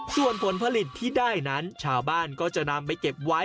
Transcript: ส่วนผลผลิตที่ได้นั้นชาวบ้านก็จะนำไปเก็บไว้